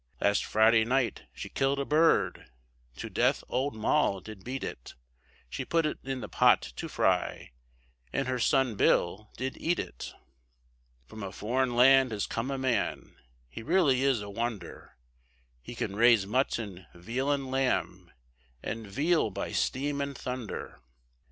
Last Friday night she killed a bird, To death old Moll did beat it, She put it in the pot to fry, And her son Bill did eat it. From a foreign land has come a man He really is a wonder He can raise mutton, veal, and lamb, And veal by steam and thunder.